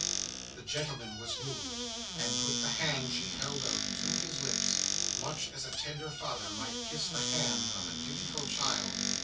The gentleman was moved, and put the hand she held out, to his lips, much as a tender father might kiss the hand of a dutiful child.